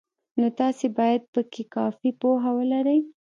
نو تاسې باید پکې کافي پوهه ولرئ.